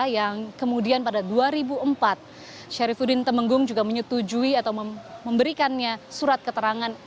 yang kemudian pada dua ribu empat syarifudin temenggung juga menyetujui atau memberikannya surat keterangan